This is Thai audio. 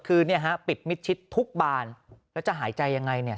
คือปิดมิดชิดทุกบานแล้วจะหายใจยังไงเนี่ย